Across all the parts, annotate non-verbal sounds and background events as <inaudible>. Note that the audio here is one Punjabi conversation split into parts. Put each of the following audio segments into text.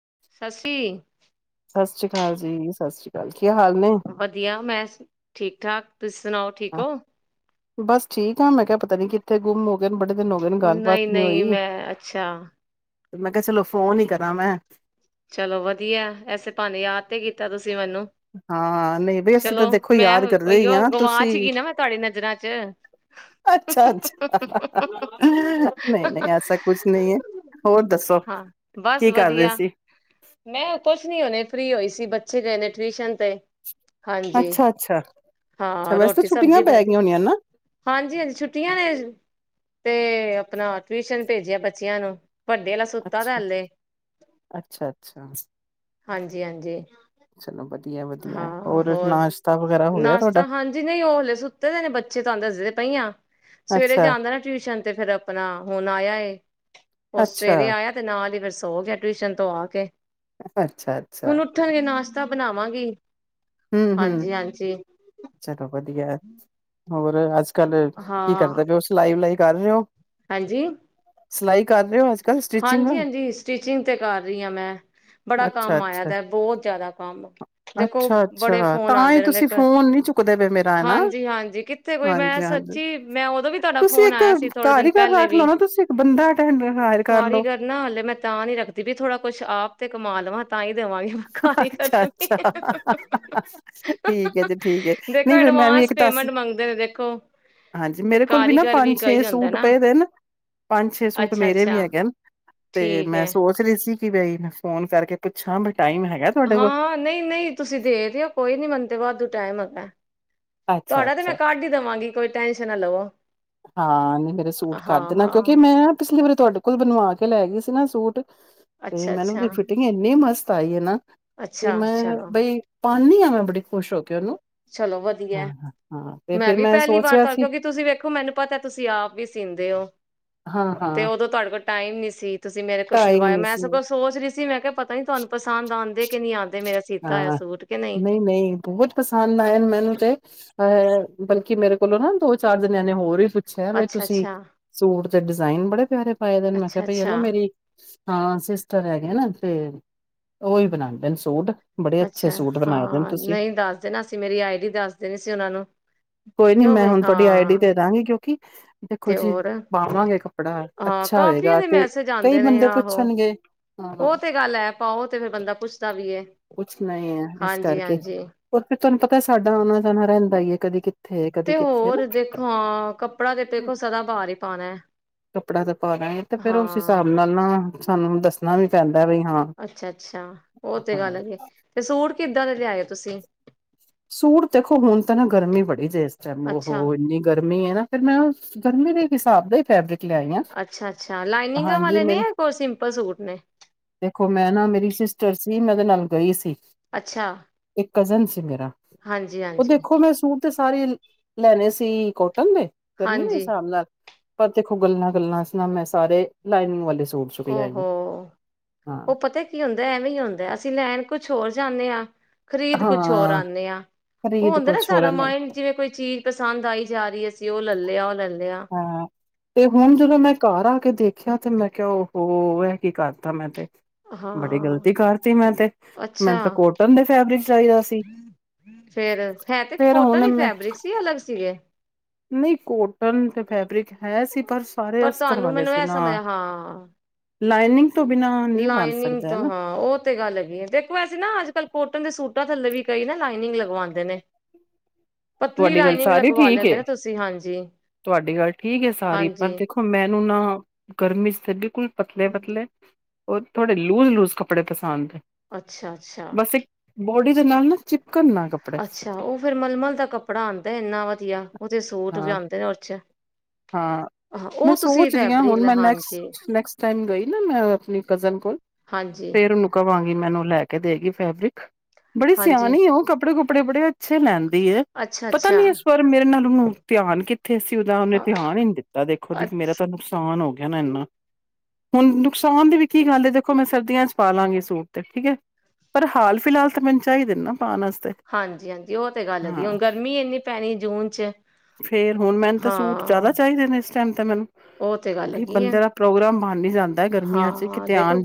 <unintelligible> ਸਤਿ ਸ਼੍ਰੀ ਅਕਾਲ ਜੀ ਸਤਿ ਸ਼੍ਰੀ ਅਕਾਲ, ਕੀ ਹਾਲ ਨੇ ਵਧੀਆ ਮੈਂ ਠੀਕ ਠਾਕ ਤੁਸੀਂ, ਸੁਣਾਓ ਠੀਕ ਹੋ? ਬਸ ਠੀਕ ਆ, ਮੈਂ ਕਿਹਾ ਪਤਾ ਨੀ ਕਿੱਥੇ ਗੁੰਮ ਹੋ ਬੜੇ ਦਿਨ ਹੋ ਨੇ ਗੱਲਬਾਤ ਨਹੀਂ ਨੀ ਨਹੀਂ ਹੋਈ। ਮੈਂ ਅੱਛਾ ਤੇ ਮੈਂ ਕਿਹਾ ਚਲੋ ਫੋਨ ਹੀ ਕਰਾਂ ਮੈਂ ਚਲੋ ਵਧੀਆ ਐਸੇ ਭਾਣੇ ਯਾਦ ਤੇ ਕੀਤਾ ਤੁਸੀਂ ਮੈਨੂੰ ਹਾਂ ਨਹੀਂ ਬਈ ਅਸੀਂ ਤਾਂ ਚਲੋ ਦੇਖੋ ਮੈਂ ਯਾਦ ਕਰਦੇ ਹੀ ਉਹੀਓ ਹਾਂ ਤੁਸੀਂ ਗਵਾਚ ਗਈ ਨਾ ਮੈਂ ਤੁਹਾਡੀ ਨਜ਼ਰਾਂ ਚ ਅੱਛਾ -ਅੱਛਾ ਨਹੀਂ- ਨਹੀਂ ਐਸਾ ਕੁਛ ਨਹੀਂ ਹੈ ਹੋਰ ਦੱਸੋ ਹਾਂ ਬਸ ਕੀ ਕਰਦੇ ਵਧੀਆ ਸੀ। ਮੈਂ ਕੁਛ ਨੀ ਹੋਣੇ ਫਰੀ ਸੁਤੀ ਹੋਈ ਸੀ ਬੱਚੇ ਗਏ ਨੇ ਟਿਊਸ਼ਨ ਤੇ ਹਾਂਜੀ ਅੱਛਾ-ਅੱਛਾ, ਅੱਛਾ ਅੱਛਾ ਹਾਂ ਵੈਸੇ ਤਾਂ ਰੋਟੀ ਛੁੱਟੀਆਂ ਸਬਜ਼ੀ ਪੈ ਹਾਂਜੀ- ਗਈਆਂ ਹੋਣੀਆਂ ਨਾ ਹਾਂਜੀ ਛੁੱਟੀਆਂ ਨੇ ਤੇ ਆਪਣਾ ਟਿਊਸ਼ਨ ਭੇਜਿਆ ਬੱਚਿਆਂ ਨੂੰ ਵੱਡੇ ਵਾਲਾ ਸੁੱਤਾ ਦਾ ਹੱਲੇ ਅੱਛਾ -ਅੱਛਾ ਅੱਛਾ, ਹਾਂਜੀ ਚਲੋ ਵਧੀਆ-ਵਧੀਆ ਹਾਂ ਹੋਰ ਨਾਸ਼ਤਾ ਵਗੈਰਾ ਹੋ ਗਿਆ ਤੁਹਾਡਾ? ਨਾਸ਼ਤਾ ਹਾਂਜੀ ਨਹੀਂ ਹਲੇ ਸੁੱਤੇ ਦੇ ਨੇ ਬੱਚੇ ਤਾਂ ਦੱਸਦੇ ਪਾਈਆਂ। ਸਵੇਰੇ ਅੱਛਾ, ਜਾਂਦਾ ਨਾ ਟਿਊਸ਼ਨ ਤੇ ਫੇਰ ਆਪਣਾ ਹੁਣ ਆਇਆ ਉਹ ਅੱਛਾ, ਸਵੇਰੇ ਆਇਆ ਤੇ ਨਾਲ ਹੀ ਫ ਸੋ ਗਿਆ ਟਿਊਸ਼ਨ ਤੋਂ ਆ ਕੇ ਅੱਛਾ -ਅੱਛਾ ਨਾ ਬਣਾਵਾਂ ਵੀ ਹੂੰ- ਹੂੰ ਚਲੋ ਵਧੀਆ। <unintelligible> ਹੋਰ ਅੱਜ ਕੱਲ ਕੀ ਹਾਂ ਕਰਦਾ ਵੀ ਪਏ ਉ ਸਲਾਈ ਵਲਾਈ ਕਰ ਰਹੇ ਹੋ। ਹਾਂਜੀ ਸਿਲਾਈ ਕਰ ਰਹੇ ਹੋ ਅੱਜ ਕੱਲ ਸਟਿਚਿੰਗ ਹਾਂਜੀ ਹਾਂਜੀ ਸਟਿਚਿੰਗ ਤੇ ਕਰ ਰਹੀ ਹਾਂ ਮੈਂ ਬੜਾ ਅੱਛਾ ਕੰਮ ਆਇਆ ਅੱਛਾ ਦਾ ਬਹੁਤ ਜ਼ਿਆਦਾ ਕੰਮ ਦੇਖੋ ਅੱਛਾ ਬੜੇ -ਅੱਛਾ ਫੋਨ ਤਾਂ ਆਉਂਦੇ ਹੀ ਤੁਸੀਂ ਰਹਿੰਦੇ। ਫੋਨ ਨੀ ਚੁੱਕਦੇ ਪਏ ਮੇਰਾ ਹੈਨਾ ਹਾਂਜੀ ਹਾਂਜੀ ਕਿੱਥੇ ਕੋਈ ਮੈਂ ਹਾਂਜੀ -ਹਾਂਜੀ ਸੱਚੀ ਮੈਂ ਉਦੋਂ ਵੀ ਤੁਹਾਡਾ ਤੁਸੀਂ ਫੋਨ ਇੱਕ ਆਇਆ ਸੀ ਥੋੜੇ ਘਰ ਦਿਨ ਹੀ ਪਹਿਲੇ ਘਰ ਲਓ ਵੀ ਨਾ ਤੁਸੀਂ ਇੱਕ ਬੰਦਾ ਅਟੈਂਡ ਕਰ ਲਓ ਕਾਰੀਗਰ ਨਾ ਹਲੇ ਮੈਂ ਤਾਂ ਨੀ ਰੱਖਦੀ ਵੀ ਥੋੜਾ ਕੁਛ ਆਪ ਤੇ ਕਮਾ ਲਵਾਂ ਤਾਂ ਈ ਅੱਛਾ -ਅੱਛਾ ਠੀਕ ਹੈ ਜੀ ਠੀਕ ਹੈ ਦੇਖੋ ਨਹੀਂ ਫੇਰ ਮੈਂ ਵੀ ਐਡਵਾਂਸ ਇੱਕ ਦਸ ਪੇਮੈਂਟ ਮੰਗਦੇ ਨੇ ਦੇਖੋ ਹਾਂਜੀ ਮੇਰੇ ਕੋਲ ਵੀ ਨਾ ਕਾਰੀਗਰ ਪੰਜ ਛੇ ਕਈ ਹੁੰਦਾ ਸੂਟ ਪਏ ਦੇ ਨਾ ਪੰਜ ਛੇ ਸੂਟ ਮੇਰੇ ਅੱਛਾ-ਅੱਛਾ ਵੀ ਹੈਗੇ ਤੇ ਠੀਕ ਮੈਂ ਹੈ ਸੋਚ ਰਹੀ ਸੀ। ਕੀ ਬਈ ਮੈਂ ਫੋਨ ਕਰਕੇ ਪੁੱਛਾਂ ਬਈ ਹਾਂ ਨਹੀਂ ਨਹੀਂ ਤੁਸੀਂ ਦੇ ਰਹੇ ਹੋ ਕੋਈ ਨੀ ਮੰਨਦੇ ਵਦੂ ਟਾਈਮ ਆ ਅੱਛਾ ਤੁਹਾਡਾ ਤੇ ਅੱਛਾ ਮੈਂ ਕੱਢ ਹੀ ਦੇਵਾਂਗੀ ਕੋਈ ਟੈਂਨਸ਼ਨ ਨਾ ਲਵੋ ਹਾਂ ਮੇਰੇ ਸੂਟ ਕਰ ਦੇਣਾ ਕਿਉਂਕਿ ਹਾਂ-ਹਾਂ ਮੈਂ ਪਿਛਲੀ ਵਾਰੀ ਤੁਹਾਡੇ ਕੋਲ ਬਣਵਾ ਕੇ ਲੈ ਗਈ ਸੀ ਨਾ ਸੂਟ ਤੇ ਮੈਨੂੰ ਅੱਛਾ-ਅੱਛਾ, ਉਹਦੀ ਅੱਛਾ ਫਿਟਿੰਗ ਇੰਨੀ ਮਸਤ ਆਈ ਹੈ ਨਾ ਤੇ ਅੱਛਾ ਅੱਛਾ ਮੈਂ ਚਲੋ। ਬਈ ਕਿੰਦੀ ਹਾਂ ਮੈਂ ਬੜ ਖੁਸ਼ ਕੇ ਉਹਨੂੰ ਚਲੋ ਹਾਂ, ਵਧੀਆ ਹਾਂ ਹਾਂ, ਤੇ ਮੈਂ ਫਿਰ ਵੀ ਪਹਿਲੀ ਵਾਰ ਸੋਚਿਆ ਤਾਂ ਸੀ ਕਿਉਂਕਿ ਤੁਸੀਂ ਵੇਖੋ ਦੇਖੋ ਮੈਨੂੰ ਪਤਾ ਤੁਸੀਂ ਆਪ ਵੀ ਸੀੀਂਦੇ ਹੋ ਹਾਂ, ਤੇ ਹਾਂ ਉਦੋਂ ਤੁਹਾਡੇ ਕੋਲ ਟਾਈਮ ਨੀ ਸੀਤ ਤੁਸੀਂ ਮੇਰੇ ਕੋਲ ਟਾਈਮ ਸਿਲਵਾਇਆ ਨਹੀਂ ਮੈਂ ਸੀ ਸਲ ਸੋਚ ਰਹੀ ਮੈਂ ਕਿਹਾ ਪਤਾ ਨੀ ਤੁਹਾਨੂੰ ਪਸਦ ਆਉਂਦੇ ਕਿ ਨ ਨਹੀਂ ਆਉਂਦੇ ਮੇਰਾ ਸੀਤਾ ਹੋਇਆ ਹਾਂ ਸੂਟ ਕਿ ਨਹੀਂ ਨਹੀਂ ਬਹੁਤ ਪਸੰਦ ਆਏ ਮੈਨੂੰ ਤੇ ਬਲਕਿ ਮੇਰੇ ਕੋਲੋਂ ਨਾ ਦੋ ਚਾਰ ਦਿ ਨਿਆਣੇ ਹੋਰ ਹੀ ਪੁੱਛਿਆ ਬਈ ਅੱਛਾ ਤੁਸੀਂ ਅੱਛਾ ਸੂਟ ਡਿਜ਼ਾਇਨ ਬੜੇ ਪਿਆਰੇ ਪਏ ਦਿਨ ਮ ਅੱਛਾ ਕਿਹਾਿਆ ਭ ਅੱਛਾ ਹੈ ਮੇਰੀ ਹਾਂ ਸਿਸਟਰ ਹੈਗੇ ਨਾ ਤੇ ਉਹਹੀ ਬਣਾਉਂਦੇ ਨੇ ਸੂਟ ਬੜੇ ਅੱਛੇ ਅੱਛਾ ਸੂਟ ਬਣਾਏ ਦੇ ਨੇ ਹਾਂ ਤੁਸੀਂ ਨਹੀਂ ਦੱਸ ਦੇ ਨਾ ਅਸੀਂ ਮੇਰੀ ਆਈਡੀੀ ਦੱਸ ਦੇਣੀ ਸੀ ਉਹਨਾਂ ਨੂੰ ਕੋਈ ਨੀ ਕਿਉਂ ਮੈਂ ਬਈ ਹੁਣ ਤੁਹਾਡੀ ਆਈ ਡਡੀ ਹਾਂ ਦੇ ਦਵਾਂਗੀ ਜੋ ਤੇ ਹੋਰ ਕੱਪੜਾ ਹਾਂ ਅੱਛਾ ਕਾਫੀਆਂ ਹੋਏਗਾ ਦੇ ਤੇ ਮੈਸੇਜ ਕਈ ਆਉਂਦੇ ਨੇ ਬੰਦੇ ਆਹੋ ਪੁੱਛਣਗੇ ਉਹ ਹਾਂ ਤੇ ਗੱਲ ਐ ਉਹ ਤੇ ਫਿਰ ਬੰਦਾ ਪੁੱਛਦਾ ਵੀ ਕੁਛ ਨ ਹੈ ਇਸ ਹਾਂਜੀ ਕਰਕੇ ਹਾਂਜੀ ਉਹ ਫਿਰ ਤੁਹਾਨੂੰ ਪਤਾ ਸਾਡਾ ਆਨਾ ਜਾ ਪੈਂਿੰਦਾ ਈਏ ਕਦੇ ਕਿਤੇ ਕਿਥੇ ਕਦੀ ਤੇ ਕਿੱਥੇ ਨਾ ਹੋਰ ਦੇਖੋ ਹਾਂ ਕੱਪੜਾ ਤੇ ਦੇਖੋ ਸਦਾ ਬਾਹਰ ਹੀ ਪਾਉਣਾ ਹੈ ਕੱਪੜਾ ਤੇ ਪਾ ਲੈਗੇ ਤੇ ਫੇਿਰ ਉਸ ਹਿਸਾਬ ਨਾਲ ਨਾ ਤੁਹਾਨੂੰ ਦੱਸਣਾ ਵੀ ਪੈਂਦਾ ਬਈ ਹਾਂ ਅੱਛਾ ਅੱਛਾ ਉਹ ਤੇ ਹਾਂ ਗੱਲਗੇ ਤੇ ਸੂਟ ਕਿੱਦਾਂ ਦੇ ਲਿਆਏ ਤੁਸੀਂ ਸੂਟ ਦੇਖੋ ਹੁਣ ਤਾਂ ਨਾ ਗਰਮੀ ਬੜੀ ਜੇ ਅੱਛਾ ਉਹਹ ਇੰਨੀ ਗ ਗਰਮੀ ਹੈ ਨਾ ਫ਼ਿਰ ਮੈਂ ਗਰਮੀੇ ਦੇ ਹਿਸਾਬ ਦੇ ਫੈਬਰਿਕ ਲਿਆਈ ਆ ਅੱਛਾ-ਅੱਛਾ ਲਾਈਨਿੰਗਾਂ ਹਾਂਜੀ ਵਾਲੇ ਨੇ ਮੇਰੀ ਜਾਂ ਕੋਈ ਸਿੰਪਲ ਸੂਟ ਨੇ ਦੇਖੋ ਮੈਂ ਨਾ ਮੇਰੀ ਸਿਸਟਰ ਨੀ ਮੈਂ ਉਹਦੇ ਨਾਲ ਗਈ ਸੀ। ਅੱਛਾ ਇੱਕ ਕਜ਼ਨ ਸੀ ਮੇਰਾ। ਹਾਂਜੀ- ਉਹ ਹਾਂਜੀ, ਦੇਖੋ ਮੈਂ ਸੂਟ ਤੇ ਸਾਰੇ ਲੈਣੇ ਸੀ ਕੋ, ਕੰੰਗ ਏ ਗਰਮੀ ਨਹੀਂ ਹਾਂਜੀ ਹਾਂਜੀ। ਸ਼ਾਮ ਨਾਲ। ਪਰ ਦੇਖੋ ਗੱਲਾਂ ਗੱਲਾਂ ਸੁਣਾ ਮੈਂ ਸਾਰੇ ਲਾਈਨਿੰਗ ਵਾਲੇ <unintelligible> ਉਹ ਲਿਆਈ ਹੋ ਆ ਉਹ ਪਤਾ ਕੀ ਹੁੰਦਾ ਐਵੇਂ ਹੀ ਹੁੰਦਾ ਅਸੀਂ ਲੈਣ- ਕੁਛ ਹੋਰ ਜਾਨੇ ਹਾਂ। ਹਾਂ ਖ਼ਰੀਦ ਕੁਛ ਹੋਰ ਹਾਂ ਆਉਂਦੇ ਆ, ਉਹ ਖਰੀਦ ਹੁੰਦਾ ਨਾ ਕੁਛ ਹੋਰ ਸਾਰਾ ਨੇ ਮਾਇੰਡ ਜਿਵੇਂ ਕੋਈ ਚੀਜ਼ ਪਸੰਦ ਆਈ ਜਾ ਰਹੀ ਹੈ। ਤੇ ਉਹ ਲੈ ਲਿਆ ਉਹ ਲੈ ਲਿਆ, ਹਾਂ ਤੇ ਹੁਣ ਜਦੋਂ ਮੈਂ ਘਰ ਆ ਕੇ ਦੇਖਿਆ ਤੇ ਮੈਂ ਕਿਹਾ ਉਹ ਇਹ ਕੀ ਕਰਤਾ ਮੈਂ ਤੇ, ਬੜੀ ਹਾਂ, ਗ਼ਲਤੀ ਕਰਤੀ ਮੈਂ ਤੇ ਅੱਛਾ, ਮੈਨੂੰ ਤਾਂ ਕੋਟਨ ਦੇ ਫੈਬਰਿਕ ਚਾਹੀਦਾ ਸੀ ਫੇਰ ਹੈ ਤੇ ਫੇਰ ਫਟਨ ਹੁਣ ਹੀ ਮੈਂ ਫੈਬਰਿਕ ਸੀ ਅਲੱਗ ਸੀਗੇ। ਨਹੀਂ ਕੋਟਨ ਤੇ ਫੈਬਰਿਕ ਹੈ ਸੀ ਪਰ ਸਾਰੇ ਅਸਤਰ ਤੁਹਾਨੂੰ ਵਾਲੇ ਮੈਨੂੰ ਸੀ ਇਹ ਨਾ। ਸਮਝ ਹਾਂ ਲਾਈਨਿੰਗ, ਤੋਂ ਬਿਨਾਂ ਨਹੀਂ ਬਣ ਲਾਈਨਿੰਗ ਸਕਦਾ ਹੈ ਤੋਂ ਨਾ ਹਾਂ ਉਹ ਤੇ ਗੱਲ ਹੈਗੀ ਹੈ, ਦੇਖੋ ਐਸੀ ਨਾ ਅੱਜ ਕੱਲ ਕੋਟਨ ਦੇ ਸੂਟਾਂ ਥੱਲੇ ਵੀ ਕਈ ਨਾ ਲਾਈਨਿੰਗ ਲ ਮੰਵਾਉਂਦੇ ਨੇ, ਪਤਲੀ ਤੁਹਾਡੀ ਗੱਲ ਲਾਈਨਿੰਗ ਸਾਰੀ ਲਗਵਾ ਠੀਕ ਤੁਹਾਡੀ ਗੱਲ ਲੈਂਦੇ ਠੀਕ ਨੇ ਹੈ, ਤੁਸੀਂ ਹਾਂਜੀ ਤੁਹਾਡੀ ਗੱਲ ਠੀਕ ਏ ਸਾਰੀ ਪਰ ਹਾਂਜੀ ਦੇਖੋ ਮੈਂ, ਨਾ ਗਰਮੀ ਸੀ <unintelligible> ਬਿਲਕੁੱਲ ਪਤਲੇ ਪਤਲੇ। ਉਹ ਥੋੜੇ ਲੂਜ ਲੂਜ ਕੱਪੜੇ ਪਸੰਦ, ਅੱਛਾ-ਅੱਛਾ, ਬਸ ਇੱਕ ਬੋਡੀ ਦੇ ਨਾਲ ਨਾ ਚਿੱ ਅੱਛਾ, ਉਹ ਫੇਰ ਮਲਮਲ ਦਾ ਕੱਪ ਕੱਪੜਾ ਆਉਂਦਾ ਏਨਾ ਵਧੀਆ ਉਹ ਤੇ ਸੂਟ ਵੀ ਹਾਂ ਆਉਂਦੇ ਨੇ, ਅੱਛਾ, ਹਾਂ, ਮੈਂ ਸੋਚ ਰਹੀ ਹਾਂ ਫੈਬਰਿਕ ਹੁਣ ਲੈ ਮੈਂ ਨੈਕਸ ਹਾਂਜੀ ਨੈਕਸਟ ਟਾਈਮ ਗਈ ਨਾ ਮੈਂ ਆਪਣੀ ਕਜ਼ਨ ਕੋਲ ਹਾਂਜੀ ਫੇਰ ਉਹਨੂੰ ਕਵਾਂ, ਮੈਨੂੰ ਲੈ ਕੇ ਦੇਗੀ ਫੈਬਰਿਕ। ਬੜੀ ਹਾਂਜੀ ਸਿਆਣੇ ਉਹ ਕੱਪੜੇ ਕੁਪ ਅਪੜ ਬੜੇ ਪਿੱਛੇ ਲੈਂਦੀ ਹੈ, ਅੱਛਾ ਪਤਾ ਅੱਛਾ ਨੀ ਹੈ ਇਸ ਵਾਰ ਮੇਰੇ ਨਾਲ ਉਹਨੂੰ ਧਿਆਨ ਕਿੱਥੇ ਸੀ ਉਹਦਾ ਉਹਨੇ, ਹਾਂ ਧਿਆਨ ਹੀ ਨਹੀਂ ਦਿੱਤਾ ਦੇਖੋ ਦੀ ਮੇਰਾ ਅੱਛ ਤਾਂ ਨੁਕਸਾਨ ਹੋ ਗਿਆ। ਨਾ ਹੁਣ ਨੁਕਸਾਨ ਦੀ ਵੀ ਕੀ ਗੱਲ ਦੇਖੋ ਮੈਂ ਸਰਦੀਆਂ ਚ ਪਾਲਾਂਗੀ ਸੂਟ ਤੇ ਠੀਕ ਹੈ ਪਰ ਹਾਲ ਫਿਲਹਾਲ ਤਾਂ ਮੈਨੂੰ ਚਾਹੀਦੇ ਨੇ ਹਾਂਜੀ ਹਾਂਜੀ ਉਹ ਤੇ ਗੱਲ ਹੈਗੀ ਹੁਣ ਗਰਮੀ ਇੰਨੀ ਪੈਣੀ ਜੂਨ ਚ ਫੇਰ ਹੁਣ ਮੈਨੂੰ ਤਾਂ ਹਾਂ ਸੂਟ ਜ਼ਿਆਦਾ ਚਾਹੀਦੇ ਨੇ ਸ ਚਨ ਤਨਮ। ਉਹ ਤੇ ਗੱਲ ਕਿਉਂਕਿ, ਹੈਗੀ ਹੈ ਬੰਦੇ ਦਾ ਪ੍ਰੋਗਰਾਮ ਬਣ ਈ ਜਾਂਦ ਹਾਂ ਦੇਖੋ,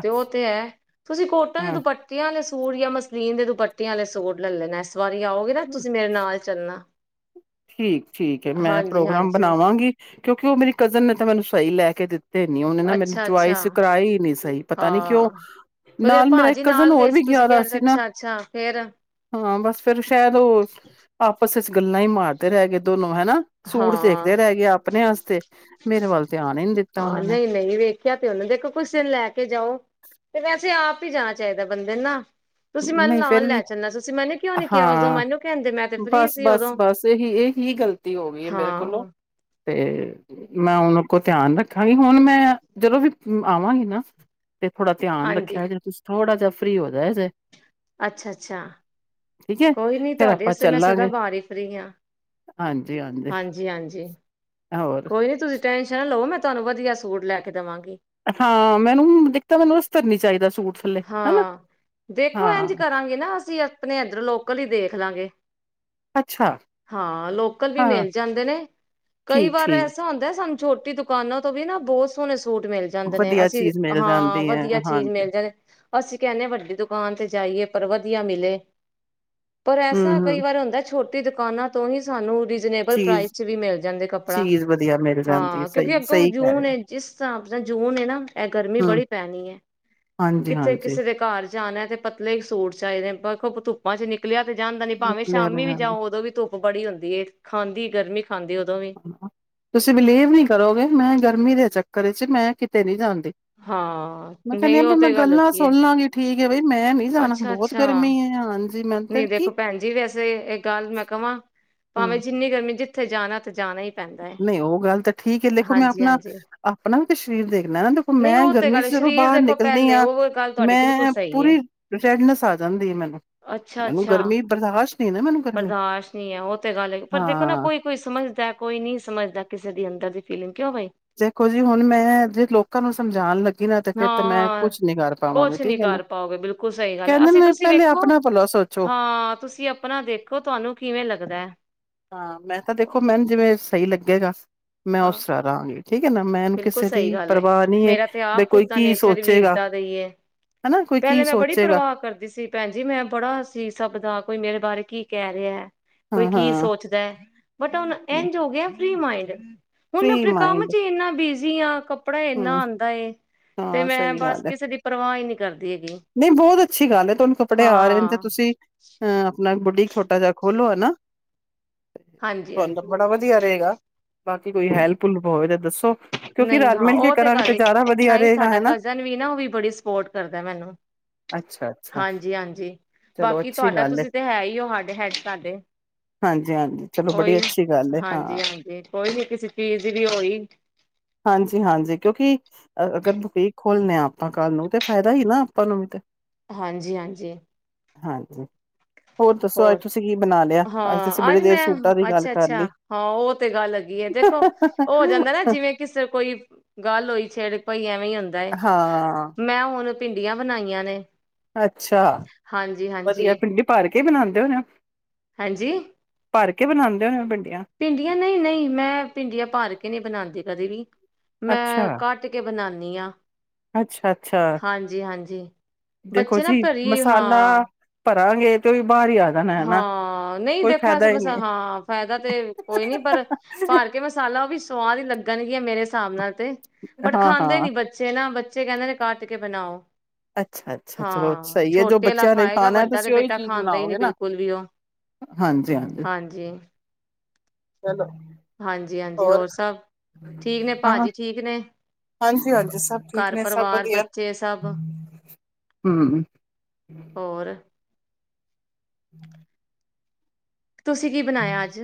ਤੇ ਓਹ ਤੇ ਹੈ ਤੁਸੀਂ ਕੋਟਨ ਦੀ ਹਾਂ ਦੁਪੱਟੀਆਂ ਵਾਲੇ ਸੂਟ ਯਾ ਮਸਲੀਨ ਦੇ ਦੁਪੱਟਿਆਂ ਆਲੇ ਸੂਟ ਲੈ ਲੈਣਾ। ਵਾਰੀ ਆਓਗੇ ਨਾ ਤੁਸੀਂ ਮੇਰੇ ਨਾਲ ਚ ਚਲਨਾ। ਠੀਕ ਠੀਕ ਹੈ, ਮੈਂ ਪ੍ਰੋਗਰਾਮ ਹਾਂਜੀ ਬਣਾਵਾਂਗੀ ਕਿਉਂਕਿ ਉਹ ਮੇਰੀ ਕਜ਼ਨ ਨੇ ਤਾਂ ਮੈਨੂੰ ਸੂ ਸਹੀ ਲੈ ਕੇ ਦਿੱ ਤੇ ਨੀ ਔਨੇ ਨਾ ਮੈਨੂੰ ਅੱਛਾ ਅੱਛਾ ਚੁਆਇਸ ਕਰਾਈ ਨੀ ਸਹੀ ਪਤਾ ਨੀ ਕਿਓ? ਹਾਂ ਉਹ ਜਿਹੜੇ ਨਾਲ ਮੇਰਾ ਇੱਕ ਭਾਜੀ ਕਜ਼ਨ ਨਾਲ ਹੋਰ ਗਏ ਵੀ ਸੀ ਗਿਆ ਤੁਸੀਂ ਕਹਿ ਦਾ ਰਹੇ ਸੀ ਨਾ। ਅੱਛਾ ਅੱਛਾ ਫੇਰ ਹਾਂ, ਬਸ ਫੇਰ ਸ਼ਾਇਦ ਉਹ ਆਪਸ ਚ ਗੱਲਾਂ ਹੀ ਮਾਰ ਰ ਹੈ ਗ ਦੋਨੋ ਹਨਾ ਸੂਟ ਹਾਂ ਦੇਖਦੇ ਰਹਿ ਗਏ ਆਪਣੇ ਵਾਸਤੇ ਮੇਰੇ ਵੱਲ ਧਿਆਣ ਹਾਂ ਨਹੀਂ ਨਹੀਂ ਵੇਖਿਆ ਤੇ ਉਹਨੇ ਦੇਖੋ ਕੁਛ ਦਿਨ ਲੈ ਕੇ ਜਾਓ ਤੇ ਵੈਸੇ ਆਪ ਵੀ ਜਾਣਾ ਚਾਹੀਦਾ ਬੰਦੇ ਨਾ ਤੁਸੀਂ ਮੈਨੂੰ ਨਹੀਂ ਫੇਿਰ ਨਾਲ ਲੈ ਵੀ ਚੱਲਣਾ ਤੁਸੀਂ ਮੈਨੂੰ ਕਿਉਂ ਨੀ ਕਿਹਾ ਉਦੋਂ ਹਾਂ ਮੈਨੂੰ ਕਹਿੰਦੇ ਮੈਂ ਤੇ ਫ੍ਰਰੀ ਬਸ ਸੀ ਬਸ ਉਦੋਂ ਬਸ ਇਹੀ ਇਹੀ ਗ਼ਲਤੀ ਹੋ ਗਈ ਹੈ ਮੇਰੇ ਕੋਲੋਂ ਹਾਂ ਤੇ ਮੈਂ ਹੁਣ ਅ ਧਿਆਨ ਰੱਖਾਂਗੀ ਹੁਣ ਮੈਂ ਜਦੋਂ ਵੀ ਆਵਾਂਗੀ ਨਾ ਤੇ ਥੋੜਾ ਧਿਆਨੱਖਿਆ ਹਾਂਜੀ ਜਾ ਤੁਸੀ ਥੋੜਾ ਜਹਾ ਫ੍ਰਰੀ ਹੋਦਾੇ <unintelligible> ਅੱਛਾ ਅੱਛਾ ਠੀਕ ਹੈ ਕੋਈ ਨੀ ਫੇਰ ਆਪਾਂ ਤੁਹਾਡੇਸਤੇ ਮੈਂ ਸਦਾ ਚੱਲਾਂਗੇ ਬਾਰ ਹੀ ਫਰੀ ਹਾਂ ਹਾਂਜੀ ਹਾਂਜੀ ਹੋਰ ਕੋਈ ਨੀ ਤੁਸੀਂ ਟੈਨਸ਼ਨ ਨ ਲਓ ਮੈਂ ਤੁਹਾਨੂੰ ਵਧੀਆ ਸੂਟ ਲੈ ਕੇ ਦੇਵਾਂਗੇ। ਹਾਂ ਮੈਨੂੰ ਦਿੱਖਤਾ ਮੈਨੂੰ ਅਸਤਰ ਨੀ ਚਾਹੀਦਾ। ਸੂਟ ਥੱਲੇ ਹਨਾ ਹਾਂ ਦੇਖੋ ਇੰਝ ਹਾਂ ਕਰਾਂਗੇ ਨਾ ਅਸੀਂ- ਆਪਣੇ ਇੱਧਰ ਲੋਕਲ ਹੀ ਦੇਖ ਲਾਂਗੇ। ਅੱਛਾ ਹਾਂ ਲੋਕਲ ਵੀ ਹਾਂ ਮਿਲ ਜਾਂਦੇ ਨੇ ਕਈ ਠੀਕ ਵਾਰ ਠੀਕ ਐਸਾ ਹੁੰਦਾ ਸਾਨੁ ਛੋਟੀ ਦੁਕਾਨਾਂ ਤੋਂ ਵੀ ਨਾ ਬਹੁਤ ਸੋਹਣੇ ਸ ਸੂਟ ਮਿਲ ਜਾਂਦੇ ਨੇ ਵਧੀਆ ਅਸੀਂ ਚੀਜ਼ ਮਿਲ ਹਾਂ ਜਾਂਦੀ ਹੈ ਵਧੀਆ ਚੀਜ਼ ਹਾਂਜੀ ਮਿਲ ਜਾਂਣੀ। ਅਸੀਂ ਕਹਿੰਦੇ ਵੱਡੀ ਦੁਕਾਨ ਤੇ ਜਾਈਏ ਪਰ ਵਧੀਆ ਮਿਲੇ ਪਰ ਐਸਾ ਹਮ ਕਈ ਹਮ ਵਾਰ ਹੁੰਦਾ ਛੋਟਾ ਤੇ ਦੁਕਾਨਾਂ ਤੋਂ ਹੀ ਸਾਨੂੰ ਰੀਜ਼ਨੇਬਲ ਪ੍ਰਾਈਸ ਚੀਜ਼ ਚ ਵੀ ਮਿਲ ਜਾਂਦੇ ਕੱਪੜਾ ਚੀਜ਼ ਵਧੀਆ ਮਿਲ ਜਾਂਦੀ ਹਾਂ ਕਿਉਂਕਿ ਸਹੀ ਅੱਗੋਂ ਸਹੀ ਕਹਿ ਰਹੇ ਜੂਨ ਹੈ ਜਿਸ ਹਿਸਾਬ ਨਾਲ ਜੂਨ ਨਾ ਇਹ ਗਰਮੀ ਹੋ ਹਮ ਬੜੀ ਪੈਣੀ ਹੈ। ਹਾਂਜੀ ਕਿੱਥੇ ਹਾਂਜੀ ਕਿਸੇ ਦੇ ਘਰ ਜਾ ਆਣਾ ਤੇ ਪਤਲੇ ਸੂਟ ਚ ਆਏਦੇ ਨੇ ਧੁੱਪਾਂ ਚ ਨਿਕ ਨਿਕਲਿਆ ਤੇ ਜਾਣਦਾੀ ਭਾਵੇਂ ਸ਼ਾਮੀ ਵੀ ਨਿਕਲਿਆ ਜਾਓ ਉਦੋਂ ਵੀ ਧੁੱ ਬੜੀ ਹੁੰਦੀ ਏ ਖਾਂਦੀ ਗਰਮੀ ਉਦੋਂ ਵੀ ਤੁਸੀਂ ਬਿਲੀਵ ਨਹੀਂ ਕਰੋਗੇ ਮੈਂ ਗਰਮੀ ਦੇ ਚੱਕ ਘਰੇ ਚ ਮੈਂ ਕਿਤੇ ਨਹੀਂ ਜਾਂਦੀ ਹਾਂ ਮੈਂ ਕਹਿੰਦੀ ਨਹੀਂ ਆ ਵੀ ਉਹ ਮੈਂ ਤੇ ਗੱਲ ਗੱਲਾਂ ਹੈਗੀ ਸੁਣ ਏ ਲਾਂਗੀ ਠੀਕ ਹੈ ਬਈ ਮੈਂ ਨੀ ਜਾਣਾ ਬਹੁਤ ਅੱਛਾ-ਅੱਛਾ ਗਰਮੀ ਹੈ। ਹਾਂਜੀ ਮੈਂ ਤੇ ਨਹੀਂ ਕੀ ਦੇਖੋ ਭੈਣ ਜੀ ਵੈਸੇ ਇਹ ਗੱਲ ਮੈਂ ਕਵਾਂ ਭਾਵੇਂ ਹਮ ਜਿੰਨੀ ਗਰਮੀ ਜਿੱ ਉੱਥੇ ਜਾਣਾ ਤਾਂ ਤੇ ਜਾਣਾ ਹੀ ਪੈਂਦਾ ਏ ਨਹੀਂ ਉਹ ਗੱਲ ਤਾਂ ਠੀਕ ਹੈ ਦੇਖੋ ਮੈਂ ਆਪਣਾ ਹਾਂਜੀ-ਹਾਂਜੀ ਆਪਣਾ ਤੇ ਵੀ ਸ਼ਰੀਰ ਦੇਖਣਾ ਨਾ ਦੇਖੋ ਨਹੀਂ ਮੈਂ ਉਹ ਤੇ ਗਰਮੀ ਗੱਲ ਚ ਜਦੋਂ ਸਰੀਰ ਬਾਹਰ ਦੇਖੋ ਨਿਕਲਣੀ ਪਹਿਲੇ ਆਂ ਉਹ ਗੱਲ ਤੁਹਾਡੀ ਬਿਲਕੁਲ ਮੈਂ ਸਹੀ ਪੂਰੀ ਰੈਡਨੈਸ ਆ ਜਾਂਦੀ ਹੈ ਮੈਨੂੰ ਅੱਛਾ ਮੈਨੂੰ ਅੱਛਾ ਗਰਮੀ ਬਰਦਾਸ਼ਤ ਨਹੀਂ ਨਾ ਮੈਨੂੰ ਗਰਮੀ ਬਰਦਾਸ਼ਤ ਨਹੀਂ ਹੈ ਉਹ ਤੇ ਗੱਲ ਹੈ ਪਰ ਦੇਖੋ ਨਾ ਹਾਂ ਕੋਈ ਕੋਈ ਸਮਝਦਾ ਕੋਈ ਨਹੀਂ ਸਮਝਦਾ ਕਿਸੇ ਦੀ ਅੰਦਰ ਦੀ ਫੀਲਿੰਗ ਕਿਉਂਈ ਦੇਖੋ ਜੀ ਹੁਣ ਮੈਂ ਜ ਲੋਕਾਂ ਨੂੰ ਸਮਝਾਣ ਲੱਗੀ ਨਾ ਤੇ ਫੇਰ ਤੇ ਮੈਂ ਹਾਂ ਕੁਛ ਨੀ ਕਰ ਪਾਵਾਂਗੀ ਕੁਛ ਨੀ ਠੀਕ ਹੈ ਨਾ ਕਰ ਪਾਓਗੇ ਬਿਲਕੁਲ ਸਹੀ ਗੱਲ ਹੈ ਕਹਿੰਦੇ ਅਸੀਂ ਨੇ ਤੁਸੀਂ ਪਹਿਲੇ ਵੇਖੋ ਆਪਣਾ ਭਲਾ ਸੋਚੋ ਹਾਂ ਤੁਸੀਂ ਆਪਣਾ ਦੇਖੋ ਤੁਹਾਨੂੰ ਕਿਵੇਂ ਲੱਗਦਾ ਹੈ ਹਾਂ ਮੈਂ ਤਾਂ ਦੇਖੋ ਮੈਨੂੰ ਜਿਵੇਂ ਸਹੀ ਲੱਗ ਗਸ ਹਾਂ ਬਿਲਕੁਲ ਕਿਸੇ ਦੀ ਸਹੀ ਗੱਲ ਪਰਵਾਹ ਨਹੀਂ ਹੈ ਮੇਰਾ ਤੇ ਬ ਆਪ ਕੋਈ ਖੁਦ ਦਾ ਕੀ ਨੇਚਰ ਵੀ ਸੋਚੇਗਾ ਇਏਦਾਂ ਦਾ ਹੀ ਹੈ ਹਨਾ ਕੋਈ ਕੀ ਪਹਿਲੇ ਮੈਂ ਬੜੀ ਸੋਚੇਗਾ ਪਰਵਾਹ ਕਰਦੀ ਸੀ ਭੈਣ ਜੀ ਮੈਂ ਬੜਾ ਸੀ ਸਭ ਦਾ ਕੋਈ ਮੇਰੇ ਬਾਰੇ ਕੀ ਕਹਿ ਰਿਹਾ ਹਾਂ ਕੋਈ ਕੀ ਹਾਂ ਸੋਚਦਾ ਹੈ ਬਟ ਹੁਣ ਇੰਝ ਹੋ ਗਿਆ ਫਰੀ ਮਾਈਡ ਹੁਣ ਫ੍ਰਰੀ ਆਪਣੇ ਕੰਮ ਮਾਇੰਡ ਚ ਇੰਨਾ ਬੀਜ ਜੀ ਹ ਕ ਹਮ ਹਾਂ ਸਹੀ ਬਸ ਗੱਲ ਹੈ ਕਿਸੇ ਦੀ ਪਰਵਾਹ ਹੀ ਨਹੀਂ ਕਰਦੀ ਹੈਗੀ ਨਹੀਂ ਬਹੁਤ ਅੱਛੀ ਗੱਲ ਹੈ ਤੁਹਾਨੂੰ ਕੱਪੜੇ ਆ ਰਹੇ ਨੇ ਤੇ ਹਾਂ ਤੁਸੀਂ ਅਹ ਆਪਣਾ ਛੋਟਾ ਜਿਹਾ ਖੋਲੋ ਹੈ ਨਾ ਹਾਂਜੀ ਤੁਹਦ ਹਾਂਜੀ ਬੜਾ ਵਧੀਆ ਰਹੇਗਾ ਬਾਕੀ ਕੋਈ ਹੈਲਪੁਲ ਹੋਵੇ ਤਾਂ ਦੱਸੋ ਕਿਉਂਕਿ ਰਾਜਮੇ ਹੀ ਗ ਨਹੀਂ ਸਾਡਾ ਕਜਨ ਵੀ ਨਾ ਉਹ ਵੀ ਬੜੀ ਸਪੋਰਟ ਕਰਦਾ ਮੈਨੂੰ ਅੱਛਾ ਅੱਛਾ ਹਾਂਜੀ ਹਾਂਜੀ ਚਲੋ ਬਾਕੀ ਅੱਛੀ ਤੁਹਾਡਾ ਗੱਲ ਤੁਸੀਂ ਤੇ ਹੈ ਹੀ ਹੋਡ ਹੈਡ ਤੁਡੇ ਹਾਂਜੀ ਹਾਂਜੀ ਚਲੋ ਬੜੀ ਓਹੀ ਅੱਛੀ ਗੱਲ ਹੈ ਹਾਂ ਹਾਂਜੀ ਹਾਂਜੀ ਕੋਈ ਨੀ ਕਿਸੇ ਚੀਜ਼ ਦੀ ਵੀ ਹੋਈ ਹਾਂਜੀ ਹਾਂਜੀ ਕਿਉਂਕਿ ਅਗਰ ਬਕੀਕ ਖੋਲਣੇ ਆ ਆਪਾਂ ਘਰ ਨੂੰ ਤੇ ਫਾਇਦਾ ਹੀ ਨਾ ਆਪਾਂ ਨੂੰ ਵੀ ਤੇ ਹਾਂਜੀ ਹਾਂਜੀ ਹਾਂਜੀ ਦੱਸੋ ਅੱਜ ਹੋਰ ਤੁਸੀਂ ਕੀ ਬਣਾ ਲਿਆ ਤੁਸੀਂ ਹਾਂ ਬੜੀ ਅੱਜ ਦੇਰ ਮੈਂ ਸੂਟਾਂ ਦੀ ਗੱਲ ਅੱਛਾ ਕਰ ਅੱਛਾ ਲਈ। ਹਾਂ ਉਹ ਤੇ ਗੱਲ ਹੈਗੀ ਹੈ ਦੇਖੋ ਉਹ ਹੋ ਜਾਂਦਾ ਨਾ ਜਿਵੇਂ ਕਿਸ ਕੋਈ ਗੱਲ ਹੋਈ ਛੇੜ ਭਾਈਆਂ ਹੁੰਦਾ ਹਾਂ ਮੈਂ ਹੁਣ ਭਿੰਡੀਆਂ ਬਣਾਈਆਂ ਨੇ ਅੱਛਾ ਹਾਂਜੀ ਵਧੀਆ ਹਾਂਜੀ ਪਿੰਡੀ ਪਾ ਰ ਕੀ ਬਣਾਉਂਦੇ ਹੋਣੇ ਹਾਂਜੀ ਭਰ ਕੇ ਬਣਾਉਂਦੇ ਹੋਣੇ ਆਿੰ ਭਿੰਡੀਆਂ ਨਹੀਂ ਨਹੀਂ ਮੈਂ ਭਿੰਡੀਆਂ ਭਰ ਕੇ ਨਹੀਂ ਬਣਾਉਂਦੀ ਕਦੇ ਵੀ ਮੈਂ ਕੱਟ ਕੇ ਬਣਾਦੀ ਨੀੀਆਂ ਅੱਛਾ ਅੱਛਾ ਦੇਖੋ ਬੱਚੇ ਨਾ ਜੀ ਭਰੀ ਮਸਾਲਾ ਹਾਂ ਕਰਹਾਂਗੇ ਤੇ ਵੀ ਬਾਹਰ ਹੀ ਆ ਜਾਣਾ ਹਨਾ ਹਾਂ ਨਹੀਂ ਕੋਈ ਦੇਖੋ ਐਸੇ ਫਾਇਦਾ ਹੀ ਮਸ ਨੀ। ਹਾਂ ਫਾਇਦਾ ਤੇ ਕੋਈ ਨੀ ਪਰ ਭਾਰ ਕੇ ਮਸਾਲਾ ਉਹ ਵੀ ਸਵਾਹ ਹੀ ਲੱਗਣਗੀਆਂ ਮੇਰੇ ਹਿਸਾਬ ਨਾਲ ਬਟ ਖਾਂਦੇ ਹਾਂ-ਹਾਂ ਨੀ ਬੱਚੇ ਨਾ ਬ ਬੱਚੇ ਕਹਿੰਦੇ ਨੇ ਕੱਟ ਕੇ ਬਣਾਓ ਅੱਛਾ ਅੱਛਾ ਚਲੋ ਹਾਂ ਸਹੀ ਹੈ ਜੋ ਛੋਟੇ ਬੱਚਿਆਂ ਨੇ ਖਾਣਾ ਤੁਸੀਂ ਉਹੀ ਚੀਜ਼ ਬਣਾਓਗੇ ਨਾ ਕੁਲ ਵੀ ਉਹ ਹਾਂਜੀ ਚਲੋ ਹਾਂਜੀ ਹਾਂਜੀ ਹੋਰ ਸਭ ਠੀਕ ਨੇ ਹਾਂ ਭਾਜੀ ਠੀਕ ਨੇ ਹਾਂਜੀ ਹਾਂਜੀ ਸਭ ਠੀਕ ਘਰ ਨੇ ਸਭ ਪਰਿਵਾਰ ਵਧੀਆ ਬੱਚੇ ਸਭ ਹਮ ਹੋਰ ਹਮ ਤੁਸੀਂ ਕੀ ਬਣਾਇਆ ਅੱਜ